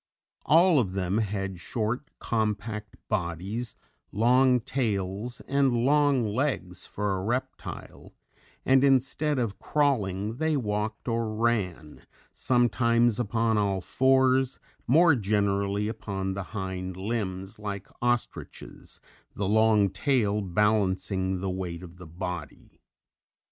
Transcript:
All of them had short, compact bodies, long tails, and long legs for a reptile, and instead of crawling, they walked or ran, sometimes upon all fours, more generally upon the hind limbs, like ostriches, the long tail balancing the weight of the body.